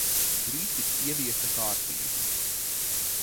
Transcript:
Drīz tiks ieviesta kārtība.